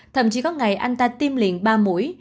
thậm chí có ngày anh ta tiêm liền ba mũi